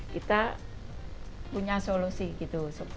kita punya solusi gitu